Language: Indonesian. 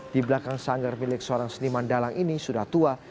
di belakang sanggar milik seorang seniman dalang ini sudah tua